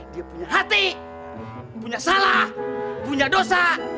dia punya hati punya salah punya dosa